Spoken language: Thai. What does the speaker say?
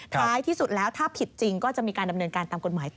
ท้ายที่สุดแล้วถ้าผิดจริงก็จะมีการดำเนินการตามกฎหมายต่อ